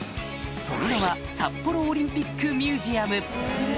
その名は札幌オリンピックミュージアム